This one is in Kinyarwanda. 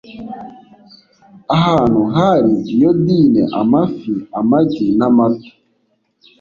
ahantu hari iyodine, amafi, amagi n'amata